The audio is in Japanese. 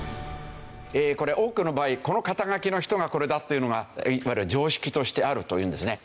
これ多くの場合この肩書の人がこれだというのがいわゆる常識としてあるというんですね。